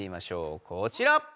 こちら！